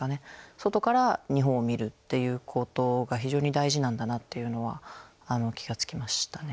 外から日本を見るっていうことが非常に大事なんだなっていうのは気が付きましたね。